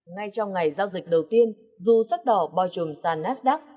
ngay trong ngày giao dịch đầu tiên dù sắc đỏ boi trùm sản nasdaq